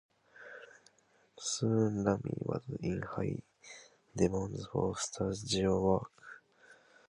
Soon Rami was in high demand for studio work.